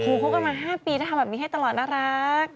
คบกันมา๕ปีแล้วทำแบบนี้ให้ตลอดน่ารัก